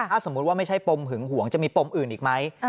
ถ้าสมมุติว่าไม่ใช่ปมหึงหวงจะมีปมอื่นอีกไหม